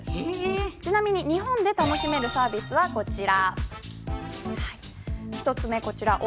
ちなみに、日本で楽しめるサービスがこちら。